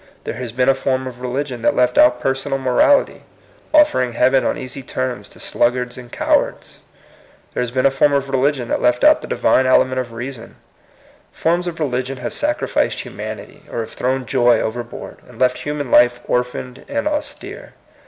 There has been a form of religion that left out personal morality, offering heaven on easy terms to sluggards and cowards ; there has been a form of religion that left out the divine element of reason : forms of religion have sacrificed humanity, or have thrown joy overboard, and left human life orphaned and austere.